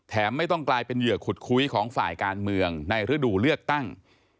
ไม่ต้องกลายเป็นเหยื่อขุดคุ้ยของฝ่ายการเมืองในฤดูเลือกตั้ง